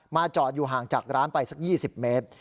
จอดอยู่ห่างจากร้านไปสัก๒๐เมตร